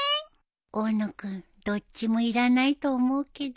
大野君どっちもいらないと思うけど